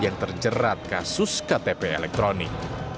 yang terjerat kasus ktp elektronik